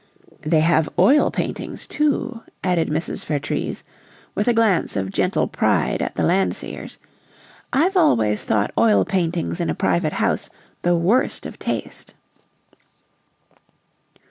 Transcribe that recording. "They have oil paintings, too," added Mrs. Vertrees, with a glance of gentle pride at the Landseers. "I've always thought oil paintings in a private house the worst of taste."